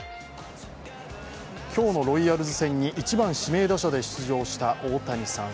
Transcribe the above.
今日のロイヤルズ戦に１番・指名打者で出場した大谷さん。